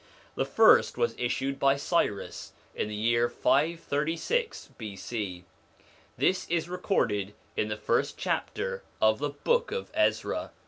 The first was issued by Cyrus in the year 536 B.C. ; this is recorded in the first chapter of the Book of Ezra.